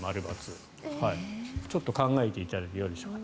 ちょっと考えていただいていいでしょうか。